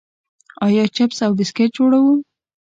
آیا چپس او بسکټ جوړوو؟